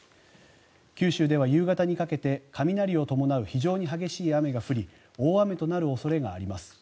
九州では夕方にかけて雷を伴う非常に激しい雨が降り大雨となる恐れがあります。